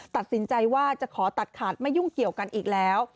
ตัดสินใจว่าจะขอตัดขาดไม่ยุ่งเกี่ยวกันอีกแล้ว